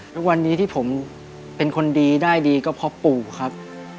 ทุกวันนี้ที่ผมเป็นคนดีได้ดีก็เพราะปู่ครับ